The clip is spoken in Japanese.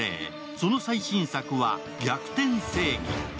その最新作は「逆転正義」。